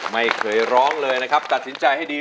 ไม่เคยร้องเลยนะครับตัดสินใจให้ดี